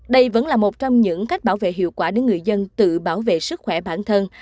đây vẫn là một trong những cách bảo vệ hiệu quả để người dân tự bảo vệ sức khỏe bản thân